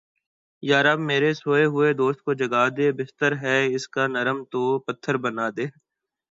یا رب میرے سوئے ہوئے دوست کو جگا دے۔ بستر ہے اس کا نرم تو پتھر کا بنا دے